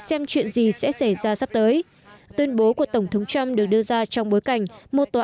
xem chuyện gì sẽ xảy ra sắp tới tuyên bố của tổng thống trump được đưa ra trong bối cảnh một tòa